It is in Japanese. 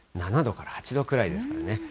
７度から８度くらいですからね。